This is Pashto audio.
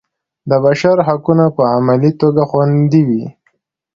د بشر حقونه په عملي توګه خوندي وي.